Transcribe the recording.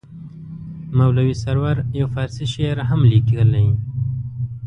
مولوي سرور یو فارسي شعر هم لیکلی.